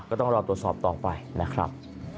ก็ต้องรอตรวจสอบต่อไปนะครับ